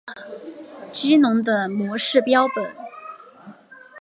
激龙的模式标本。